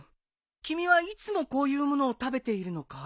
君はいつもこういう物を食べているのかい？